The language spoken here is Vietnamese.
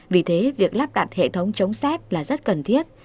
vì thế việc lắp đặt hệ thống chống xếp là rất cần thiết